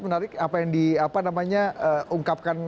menarik apa yang diungkapkan